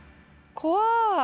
怖い。